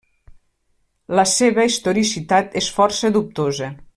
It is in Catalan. La seva historicitat és força dubtosa.